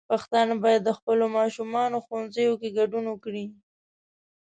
پښتانه بايد د خپلو ماشومانو ښوونځيو کې ګډون وکړي.